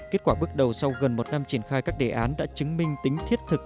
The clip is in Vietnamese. kết quả bước đầu sau gần một năm triển khai các đề án đã chứng minh tính thiết thực